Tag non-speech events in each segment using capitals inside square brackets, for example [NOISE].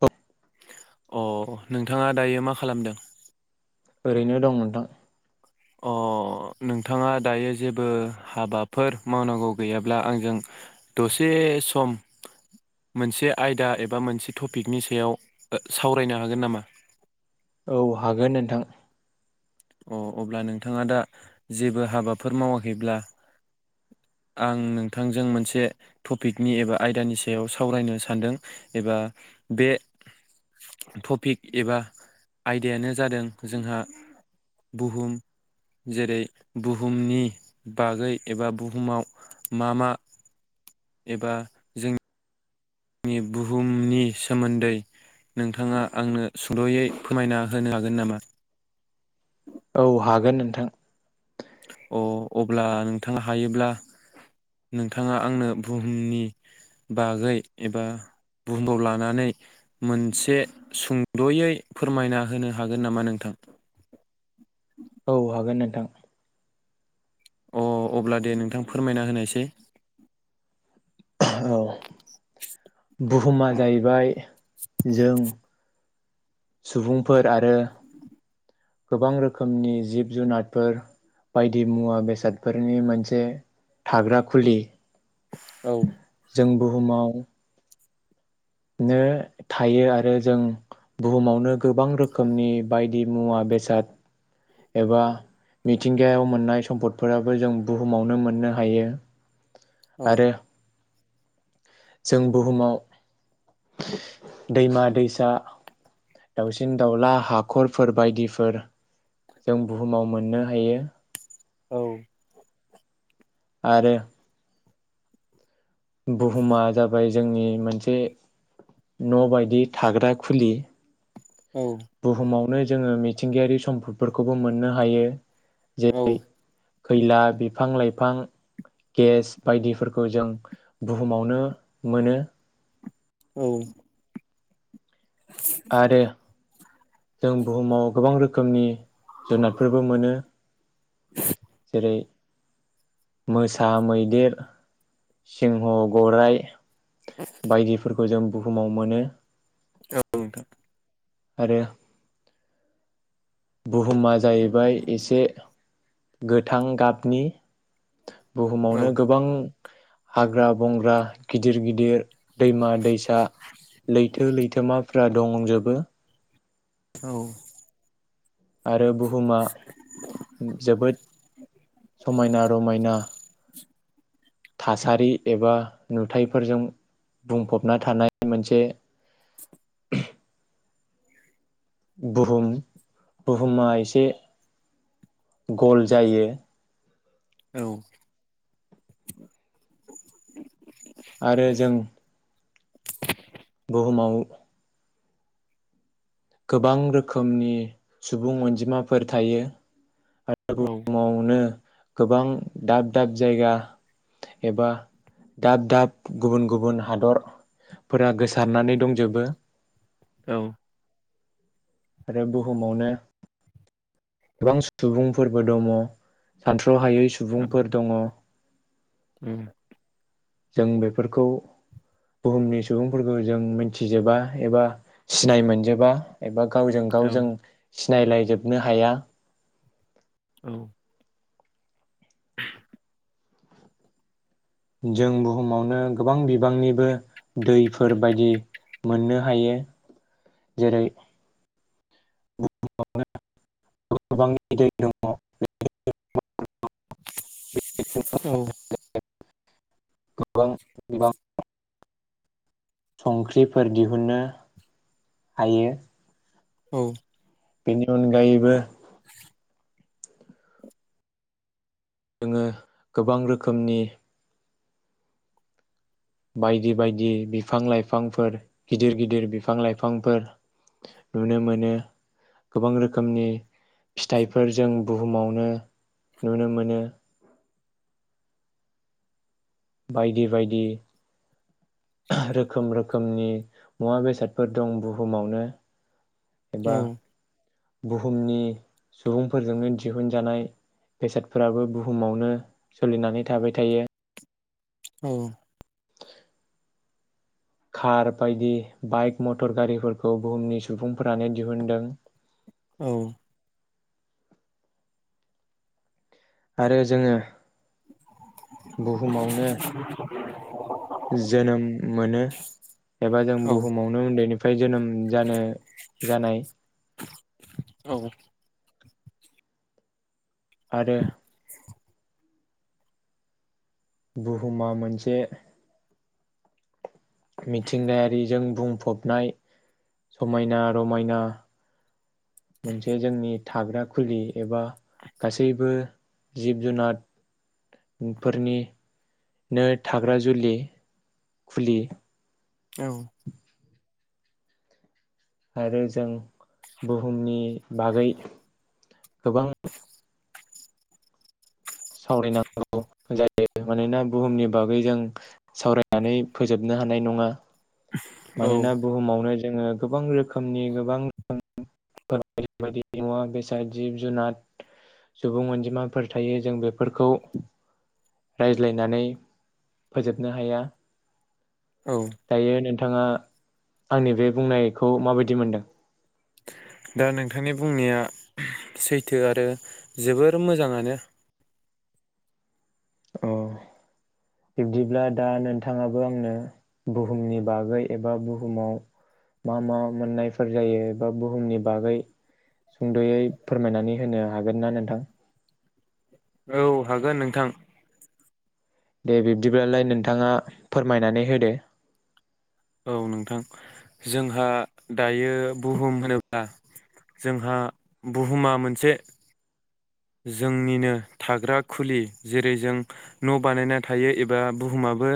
औ अ नोंथाङा दायो मा खालामदों ओरैनो दं नोंथां अ नोंथाङा दायो जेबो हाबाफोर मावनांगौ गैयाब्ला आंजों दसे सम मोनसे आयदा एबा मोनसे टपिकनि सायाव सावरायनो हागोन नामा औ हागोन नोंथां अ अब्ला नोंथाङा दा जेबो हाबाफोर मावाखैब्ला आं नोंथांजों मोनसे टपिकनि एबा आयदानि सायाव सावरायनो सानदों एबा बे टपिक एबा आयदायानो जादों जोंहा बुहुम जेरै बुहुमनि बागै एबा बुहुमाव मा मा एबा जों नि बुहुमनि सोमोन्दै नोंथाङा आंनो सुंद'यै फोरमायना होनो हागोन नामा औ हागोन नोंथां अ अब्ला नोंथाङा हायोब्ला नोंथाङा आंनो बुहुमनि बागै एबा बुहुमाव लानानै मोनसे सुंद'यै फोरमायना होनो हागोन नामा नोंथां औ हागोन नोंथां अ अब्ला दे नोंथां फोरमायना होनायसाय औ बुहुमा जाहैबाय जों सुबुंफोर आरो गोबां रोखोमनि जिब जुनारफोर बायदि मुवा बेसादफोरनि मोनसे थाग्रा खुलि औ जों बुहुमाव नो थायो आरो जों बुहुमावनो गोबां रोखोमनि बायदि मुवा बेसाद एबा मिथिंगायाव मोननाय सम्पदफोराबो जों बुहुमावनो मोननो हायो औ आरो जों बुहुमाव दैमा दैसा दाउसिन दाउला हाखरफोर बायदिफोर जों बुहुमाव मोननो हायो औ आरो बुहुमा जाबाय जोंनि मोनसे न' बायदि थाग्रा खुलि औ बुहुमावनो जोङो मिथिंगायारि सम्फदफोरखौबो मोननो हायो जे औ खैला बिफां लाइफां गेस बायदिफोरखौ जों बुहुमावनो मोनो औ आरो जों बुहुमाव गोबां रोखोम खोमनि जुनादफोरबो मोनो जेरै मोसा, मैदेर, सिंह, गराइ, बायदिफोरखौ जों बुहुमाव मोनो औ नोंथां आरो बुहुमा जाहैबाय एसे गोथां गाबनि औ बुहुमावनो गोबां हाग्रा बंग्रा गिदिर गिदिर दैमा दैसा लैथो लैथोमाफोरा दंजोबो औ आरो बु बुमा जोबोद समायना - रमायना थासारि एबा नुथाइफोरजों बुंफबना थानाय मोनसे बुहुम - बुहुमा एसे गल जायो औ आरो जों - बुहुमाव गोबां रोखोमनि सुबुं अनजिमाफोर थायो औ बुहुमावनो गोबां दाब - दाब जायगा एबा दाब - दाब गुबुन - गुबुन हादरफोरा गोसारनानै दंजोबो औ आरो बुहुमावनो गोबां सुबुंफोरबो दम हानथु थ्रहायै सुबुंफोर दङ ओम जों बेफोरखौ बुहुमनि सुबुंफोरखौ जों मोनथिजोबा एबा सिनाय मोनजोबा एबा गावजों औ गाव जों सिनायलायजोबनो हाया औ जों बुहुमावनो गोबां बिबांनिबो दैफोरबायदि मोननो हायो जेरै बुहुमावनो [UNINTELLIGIBLE] औ गोबां बिबांआव संख्रिफोर दिहुननो हायो औ बेनि अनगायैबो जोङो गोबां रोखोमनि बायदि - बायदि बिफां - लाइफांफोर गिदिर - गिदिर बिफां - लाइफांफोर नुनो मोनो गोबां रोखोमनि फिथाइफोर जों बुहुमावनो नुनो मोनो बायदि - बायदि रोखोम - रोखोमनि मुवा बेसादफोर दं बुहुमावनो औ एबा बुहुमनि सुबुंफोरजोंनो दिहुनजानाय बेसादफोराबो बुहुमावनो सोलिनानै थाबाय थायो ओ खार बायदि बाइक मटर गारिफोरखौ बुहुमनि सुबुंफोरानो दिहुनदों औ आरो जोङो बुहुमावनो उ [INAUDIBLE] जोनोम मोनो एबा जों औ बुहुमावनो उन्दैनि फाय जोनोम जानो जानाय औ आरो बुहुमा मोनसे मिथिंगायारिजों बुंफबनाय समायना रमायना मोनसे जोंनि थाग्रा खुलि एबा गासैबो जिब जुनादफोरनिनो थाग्रा जुलि औ आरो जों बुहुमनि बागै गोबां सावरायनांगौ जायो मानोना बुहुमनि बागै जों सावरायनानै फोजोबनो हानाय नङा औ मानोना बुहुमावनो जोङो गोबां रोखोमनि गोबां बायदि बायदि मुवा बेसाद जिब जुनाद सुबुं अनजिमाफोर थायो जों बे फोरखौ रायज्लायनानै फोजोबनो हाया औ दायो नोंथां थाङा आंनि बे बुंनायखौ माबायदि मोनदों? दा नोंथांनि बुंनाया सैथो आरो जोबोर मोजाङानो। अ बिब्दिब्ला दा नोंथाङाबो आंनो बुहुमनि बागै एबा बुहुमाव मा मा मोननायफोर जायो एबा बुहुमनि बागै सुंद'यै फोरमायनानै होनो हागोन ना नोंथां? औ हागोन नोंथां। दे बिब्दिब्लालाय नोंथाङा फोरमायनानै होदो। औ नोंथां जोंहा दायो बुहुम होनोब्ला जोंहा बुहुमा मोनसे जोंनिनो थाग्रा खुलि जेरै जों न' बानायना थायो एबा बुहुमाबो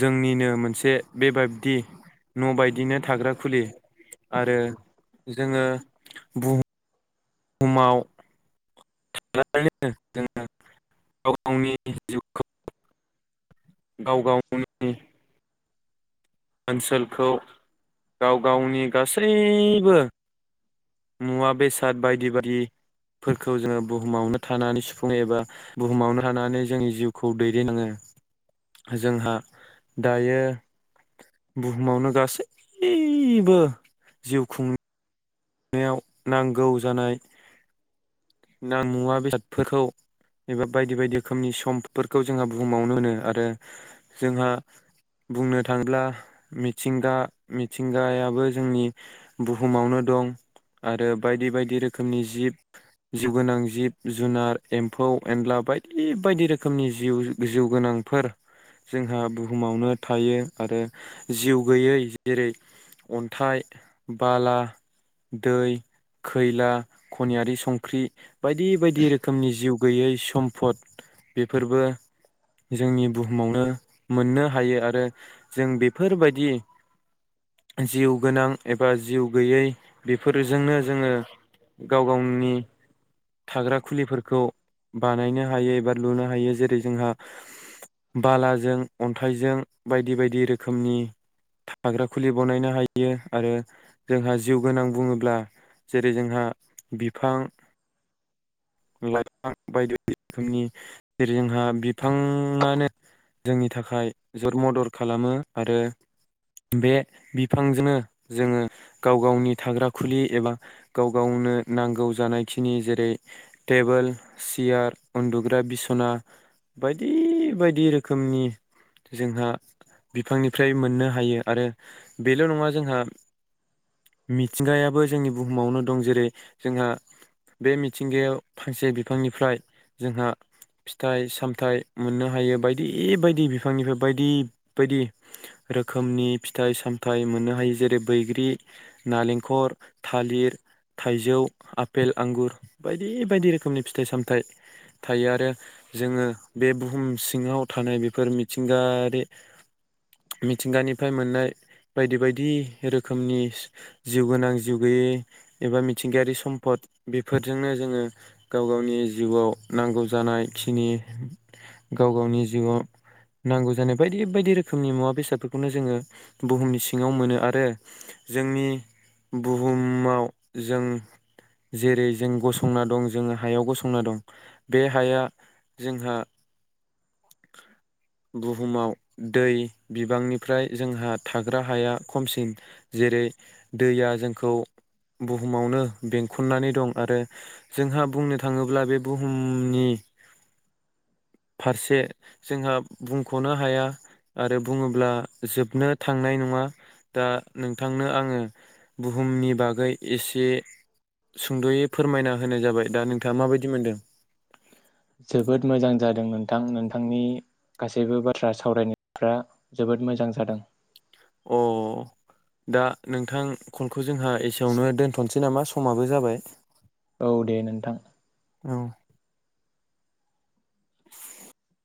जोंनिनो मोनसे बेबाबदि न' बायदिनो थाग्रा खुलि आरो जोङो बु हुमाव [UNINTELLIGIBLE] जोङो गाव गावनि जिउखौ [UNINTELLIGIBLE] गाव गावनि ओनसोलखौ गाव गावनि गासैबो मुवा बेसाद बायदि बायदिफोरखौ जोङो बुहुमावनो थानानै सुफुङो एबा बुहुमावनो थानानै जोंनि जिउखौ दैदेननाङो जोंहा दायो। बुहुमावनो गासैबो जिउ खुं नायाव नांगौ जानाय ना मुवा बेसादफोरखौ एबा बायदि बायदि रोखोमनि समपदफोरखौ जोंहा बुहुमावनो मोनो आरो जोंहा बुंनो थाङोब्ला मिथिंगा-मिथिंगायाबो जोंनि बुहुमावनो दं। आरो बायदि बायदि रोखोमनि जिब जिउ गोनां जिब जुनार एम्फौ एनला बायदि बायदि रोखोमनि जिउ जिउगोनांफोर जोंहा बुहुमावनो थायो आरो जिउ गैयै जेरै अन्थाइ बाला दै खैला खनियारि संख्रि बायदि बायदि रोखोमनि जिउ गैयै सम्फद बेफोरबो जोंनि बुहुमावनो मोननो हायो आरो जों बेफोरबायदि जिउ गोनां एबा जिउ गैयै बेफोरजोंनो जोङो गाव गावनि थाग्रा खुलिफोरखौ बानायनो हायो एबा लुनो हायो जेरै जोंहा बालाजों अन्थाइजों बायदि बायदि रोखोमनि थाग्रा खुलि बनायनो हायो आरो जोंहा जिउ गोनां बुङोब्ला जेरै जोंहा बिफां लाइफां बायदि रोखोमनि जेरै जोंहा बिफाङानो जोंनि थाखाय जर मदर खालामो आरो बे बिफांजोनो जोङो गाव गावनि थाग्रा खुलि एबा गाव गावनो नांगौ जानायखिनि जेरै टेबोल सियार उन्दुग्रा बिसना बायदि बायदि रोखोमनि जोंहा बिफांनिफ्राय मोननो हायो आरो बेल' नङा जोंहा मिथिंगायाबो जोंनि बुहुमावनो दं जेरै जोंहा बे मिथिंगायाव फांसे बिफांनिफ्राय जोंहा फिथाइ सामथाइ मोननो हायो बायदि बायदि बिफांनिफ्राय बायदि बायदि रोखोमनि फिथाइ सामथाइ मोननो हायो जेरै बैग्रि नालेंखर थालिर थाइजौ आफेल आंगुर बायदि बायदि रोखोमनि फिथाइ सामथाइ थायो आरो जोङो बे बुहुम सिङाव थानाय बेफोर मिथिंगायारि मिथिंगानिफ्राय मोननाय बायदि बायदि रोखोमनि जिउ गोनां जिउ गैयि एबा मिथिंगायारि सम्फद बेफोरजोंनो जोङो गाव गावनि जिउआव नांगौ जानाय खिनि गाव गावनि जिउआव नांगौ जानाय बायदि बायदि रोखोमनि मुवा बेसादफोरखौनो जोङो बुहुमनि सिङाव मोनो आरो जोंनि बुहुमाव जों जेरै जों गसंना दं जों हायाव गसंना दं बे हाया जोंहा बुहुमाव दै बिबांनिफ्राय जोंहा थाग्रा हाया खमसिन जेरै दैया जोंखौ बुहुमावनो बेंखननानै दं आरो जोंहा बुंनो थाङोब्ला बे बुहुमनि फारसे जोंहा बुंख'नो हाया आरो बुङोब्ला जोबनो थांनाय नङा दा नोंथांनो आङो बुहुमनि बागै एसे सुंद'यै फोरमायना होनाय जाबाय दा नोंथाङा माबायदि मोनदों? जोबोद मोजां जादों नोंथां नोंथांनि गासैबो बाथ्रा सावरायनायफ्रा जोबोद मोजां जादों। अ दा नोंथां कलखौ जोंहा एसेयावनो दोनथ'नोसै नामा समाबो जाबाय। औ दे नोंथां। औ